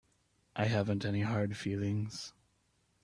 I haven't any hard feelings.